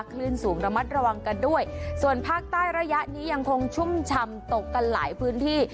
คลื่นสูงระมัดระวังกันด้วยส่วนภาคใต้ระยะนี้ยังคงชุ่มฉ่ำตกกันหลายพื้นที่